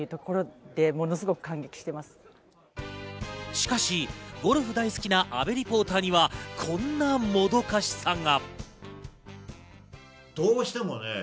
しかし、ゴルフ大好きな阿部リポーターにはこんなもどかしさが。